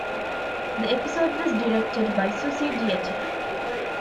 The episode was directed by Susie Dietter.